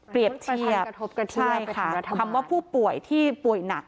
เทียบใช่ค่ะคำว่าผู้ป่วยที่ป่วยหนัก